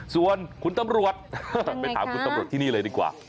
ส่วนคุณตำรวจไปถามคุณตำรวจที่นี่เลยดีกว่า